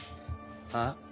ああ？